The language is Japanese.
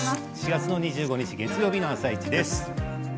４月２５日月曜日の「あさイチ」です。